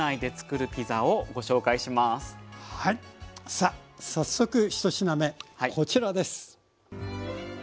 さあ早速１品目こちらです。